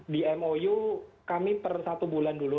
di mou kami per satu bulan dulu